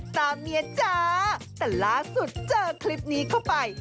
แต่ล้าสุดเจอคลิปนี้เข้าไป